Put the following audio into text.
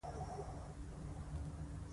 دوی د شیکاګو صرافان وو او ګډ شرکت یې درلود